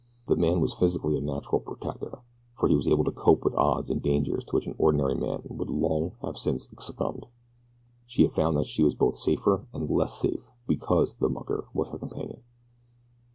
The man was physically a natural protector, for he was able to cope with odds and dangers to which an ordinary man would long since have succumbed. So she found that she was both safer and less safe because the mucker was her companion.